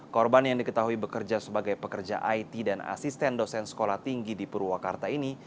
korban yang diketahui bekerja sebagai pekerja it dan asisten dosen sekolah tinggi di purwakarta ini